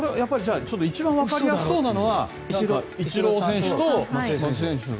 一番わかりやすそうなのはイチロー選手と松井選手。